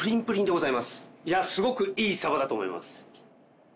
いやすごくいいサバだと思います。